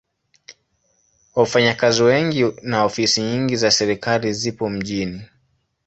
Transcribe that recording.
Wafanyakazi wengi na ofisi nyingi za serikali zipo mjini.